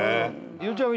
ゆうちゃみ